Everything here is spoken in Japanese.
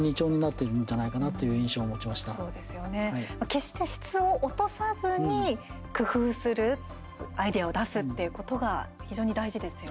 決して質を落とさずに工夫するアイデアを出すっていうことが非常に大事ですよね。